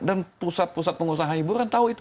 dan pusat pusat pengusaha hiburan tahu itu